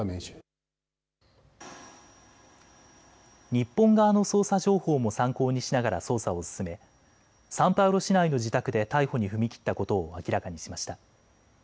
日本側の捜査情報も参考にしながら捜査を進めサンパウロ市内の自宅で逮捕に踏み切ったことを明らかにしました。